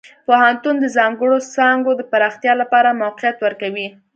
پوهنتون د ځانګړو څانګو د پراختیا لپاره موقعیت ورکوي.